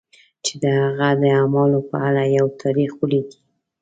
چې د هغه د اعمالو په اړه یو تاریخ ولیکي.